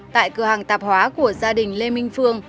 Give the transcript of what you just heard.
tại cửa hàng tạp hóa của gia đình lê minh phương